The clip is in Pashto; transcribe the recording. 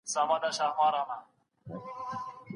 دا اوږده ډوډۍ تر بلي هغې ماڼۍ ته ژر وړل کیږي.